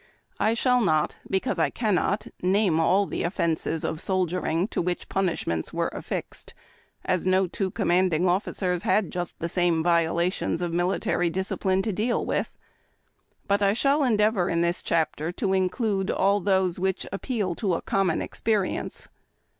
I shall not, because I cannot, name all the offences of soldiering to which punishments were affixed, as no two commanding officers had just the same violations of military discipline to deal with, —but I shall 143 BALL AND CHAIN. 144 HARD TACK AND COFFEE. endeavor in this cliapter to include all those which appeal to a common experience.